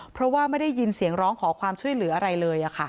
เพราะว่าไม่ได้ยินเสียงร้องขอความช่วยเหลืออะไรเลย